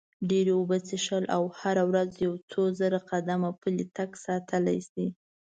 ډېرې اوبه څښل او هره ورځ یو څو زره قدمه پلی تګ ساتلی شي.